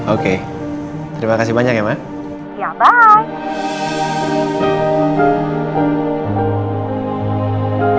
oke terima kasih banyak ya mas